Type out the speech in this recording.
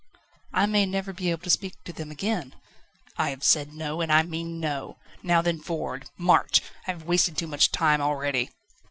"I may never be able to speak to them again." "I have said No, and I mean No. Now then, forward. March! I have wasted too much time already."